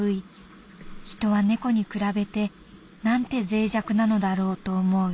人は猫に比べてなんて脆弱なのだろうと思う。